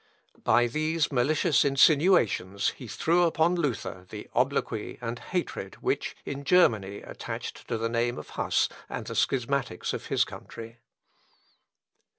By these malicious insinuations he threw upon Luther the obloquy and hatred which in Germany attached to the name of Huss and the schismatics of his country.